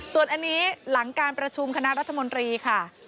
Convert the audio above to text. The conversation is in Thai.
ส่วนอันนี้หลังการประชุมคณะรัฐมนตรีค่ะ